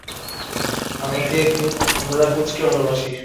আমরা কোচকে ভালোবাসি!